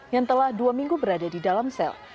yang telah dua minggu berada di dalam sel